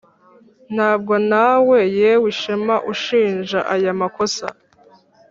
ntabwo nawe, yewe ishema, ushinja aya makosa